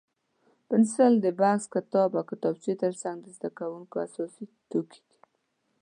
پنسل د بکس، کتاب او کتابچې تر څنګ د زده کوونکو اساسي توکي دي.